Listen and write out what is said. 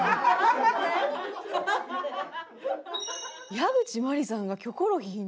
矢口真里さんが『キョコロヒー』に。